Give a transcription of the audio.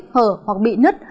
đặc biệt là không bị nứt